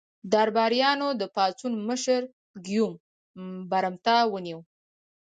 درباریانو د پاڅون مشر ګیوم برمته ونیو.